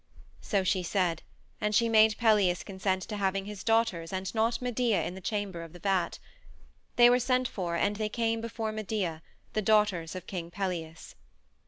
So she said, and she made Pelias consent to having his daughters and not Medea in the chamber of the vat. They were sent for and they came before Medea, the daughters of King Pelias.